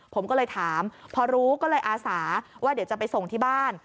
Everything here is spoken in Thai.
ผมก็เลยถามพอรู้ก็เลยอาสาว่าเดี๋ยวจะไปส่งที่บ้าน